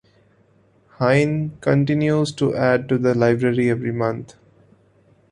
Hein continues to add to the library every month.